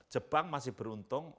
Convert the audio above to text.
jepang masih beruntung